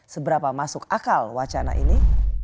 seberapa masuk akal wacana ini